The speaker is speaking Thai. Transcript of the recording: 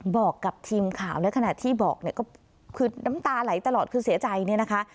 บอกกับทีมข่าวและขณะที่บอกเนี่ยก็คือน้ำตาไหลตลอดคือเสียใจเนี่ยนะคะ